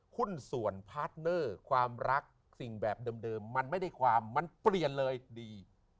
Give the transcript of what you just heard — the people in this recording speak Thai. หุ้นส่วนพาร์ทเนอร์ความรักสิ่งแบบเดิมมันไม่ได้ความมันเปลี่ยนเลยดี